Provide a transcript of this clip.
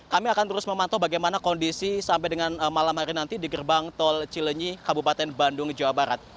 kami akan terus memantau bagaimana kondisi sampai dengan malam hari nanti di gerbang tol cilenyi kabupaten bandung jawa barat